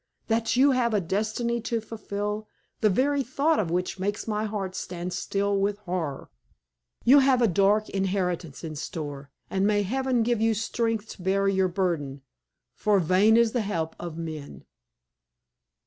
That you have a destiny to fulfill, the very thought of which makes my heart stand still with horror? You have a dark inheritance in store, and may Heaven give you strength to bear your burden, for 'vain is the help of men.'